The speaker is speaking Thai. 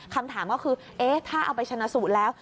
คำถามก็คือเอ๊ะถ้าเอาไปชนะสูตรแล้ว